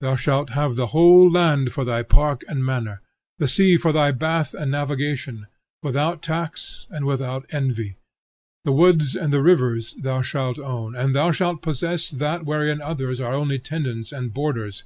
Thou shalt have the whole land for thy park and manor, the sea for thy bath and navigation, without tax and without envy; the woods and the rivers thou shalt own; and thou shalt possess that wherein others are only tenants and boarders.